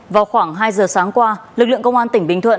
vào khoảng hai giờ sáng qua lực lượng công an tỉnh bình thuận